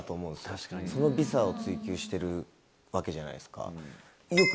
その微差を追求してるわけじゃないですか。